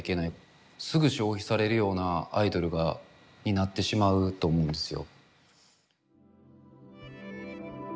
すぐ消費されるようなアイドルになってしまうと思うんですよ。